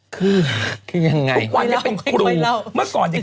คือคือยังไงไม่เล่าทุกวันเป็นครู